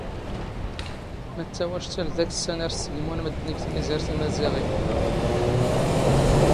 ⵎⴰⵜⵜⴰ ⵡⴰⵛⵜⴰⵍ ⴷⴰ ⴽⵙⵙⴰⵏ ⴰⵔ ⵙⵙⴳⵎⵓⵏ ⵎⴷⴷⵏ ⴳ ⵜⵎⵉⵣⴰⵔ ⵜⵉⵎⴰⵣⵉⵖⵉⵏ ?